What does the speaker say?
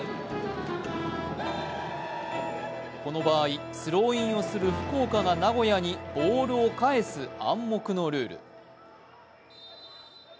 この場合、スローインをする福岡が名古屋にボールを返す暗黙のルール。